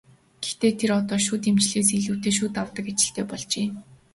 Гэхдээ тэр одоо шүд эмчлэхээс илүүтэй шүд авдаг ажилтай болжээ.